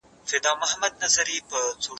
نوم ئې لوړ کور ئې ډنگر.